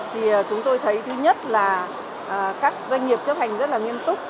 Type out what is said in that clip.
thì chúng tôi thấy thứ nhất là các doanh nghiệp chấp hành rất là nghiêm túc